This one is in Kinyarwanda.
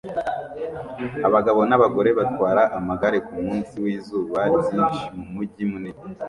Abagabo n'abagore batwara amagare kumunsi wizuba ryinshi mumujyi munini